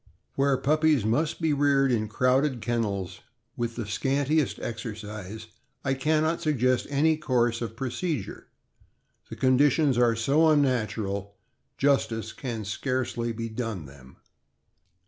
Where puppies must be reared in crowded kennels, with the scantiest exercise, I can not suggest any course of pro cedure; the conditions are so unnatural, justice can scarcely be done them.